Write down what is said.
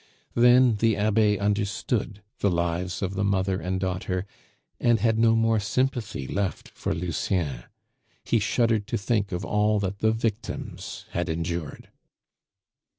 Then the Abbe understood the lives of the mother and daughter, and had no more sympathy left for Lucien; he shuddered to think of all that the victims had endured.